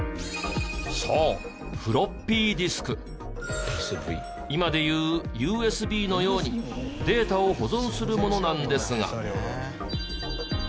そう今で言うＵＳＢのようにデータを保存するものなんですが。